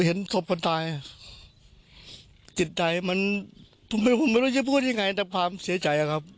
เห็นศพคนตายจิตใจมันผมไม่รู้จะพูดยังไงตามความเสียชายครับ